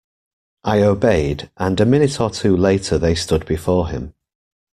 I obeyed, and a minute or two later they stood before him.